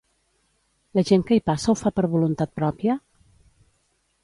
La gent que hi passa ho fa per voluntat pròpia?